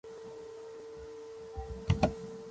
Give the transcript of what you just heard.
Ŝiaj verkoj aperis en diversaj gazetoj.